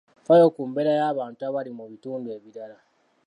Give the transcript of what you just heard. Ffaayo ku mbeera y'abantu abali mu bitundu ebirala.